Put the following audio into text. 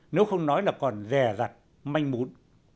nếu không nói là còn rẻ rặt manh mũn